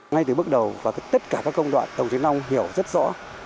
ngay từ bước đầu và tất cả các công đoạn tổng chính nông hiểu rất rõ